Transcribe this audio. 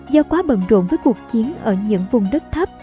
do quá bận rộn với cuộc chiến ở những vùng đất thấp